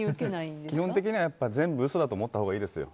基本的には全部嘘だと思ったほうがいいです。